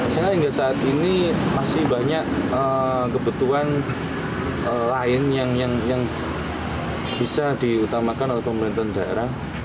sehingga hingga saat ini masih banyak kebutuhan lain yang bisa diutamakan oleh pemerintahan daerah